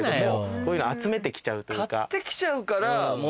こういうの集めてきちゃうというか。